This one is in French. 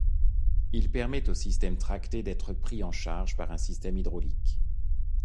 Il permet aux systèmes tractés d'être pris en charge par un système hydraulique.